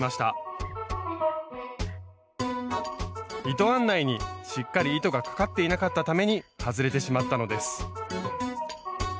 糸案内にしっかり糸がかかっていなかったために外れてしまったのです。